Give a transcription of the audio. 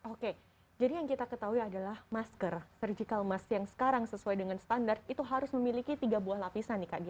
oke jadi yang kita ketahui adalah masker surgical musk yang sekarang sesuai dengan standar itu harus memiliki tiga buah lapisan nih kak